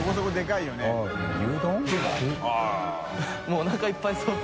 もうおなかいっぱいそう。